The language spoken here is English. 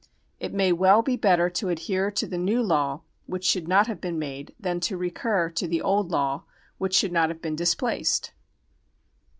It may well be better to adhere to the new law which should not have been made than to recur to the old law which should not have been dis placed.